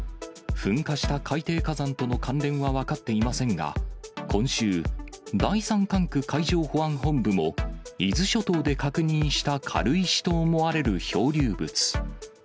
噴火した海底火山との関連は分かっていませんが、今週、第３管区海上保安本部も、伊豆諸島で確認した軽石と思われる漂流物。